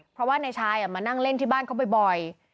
เพราะว่านายชายมานั่งเล่นที่บ้านเขาบ่อย